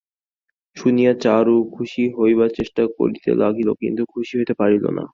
শুনিয়া চারু খুশি হইবার চেষ্টা করিতে লাগিল কিন্তু খুশি হইতে পারিল না।